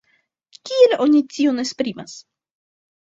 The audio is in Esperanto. Kiel oni tion esprimas?